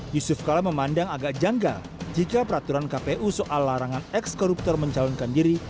yusuf kala memandang agak janggal jika peraturan kpu soal larangan eks koruptor mencalonkan diri